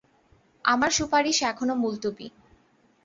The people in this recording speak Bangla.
আমার সুপারিশ এখনো মুলতুবি।